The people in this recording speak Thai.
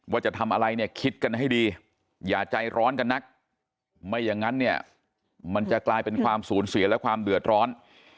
ว่าจะทำอะไรเนี่ยคิดกันให้ดีอย่าใจร้อนกันนักไม่อย่างนั้นเนี่ยมันจะกลายเป็นความสูญเสียและความเดือดร้อน